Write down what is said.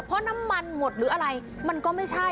เพราะน้ำมันหมดหรืออะไรมันก็ไม่ใช่